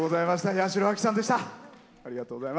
八代亜紀さんでした。